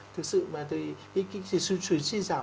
thực sự thì cái suy suy giảm